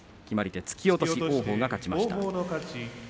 決まり手、突き落とし王鵬が勝ちました。